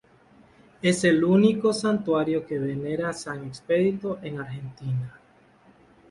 Es el único santuario que venera a San Expedito en Argentina.